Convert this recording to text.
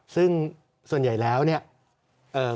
ซึ่งส่วนใหญ่แล้วเนี่ย